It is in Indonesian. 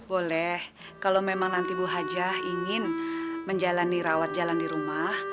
boleh kalau memang nanti bu hajah ingin menjalani rawat jalan di rumah